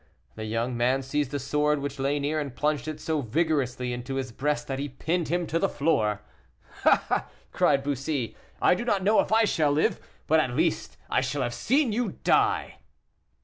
The young man seized a sword which lay near, and plunged it so vigorously into his breast, that he pinned him to the floor. "Ah!" cried Bussy, "I do not know if I shall live, but at least I shall have seen you die!"